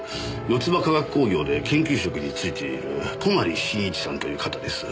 ヨツバ化学工業で研究職についている泊真一さんという方です。